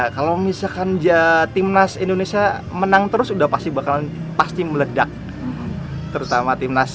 kalau misalkan timnas indonesia menang terus sudah pasti bakal pasti meledak terutama timnas